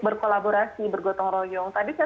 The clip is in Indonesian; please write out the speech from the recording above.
berkolaborasi bergotong royong tadi saya